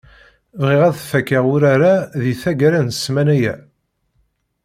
Bɣiɣ ad fakkeɣ urar-a di taggara n ssmana-ya.